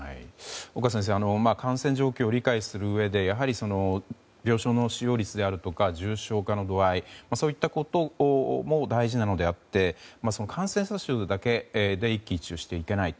岡先生感染状況を理解するうえで病床の使用率とか重症の度合いそういったことも大事なのであって感染者数だけで一喜一憂してはいけない。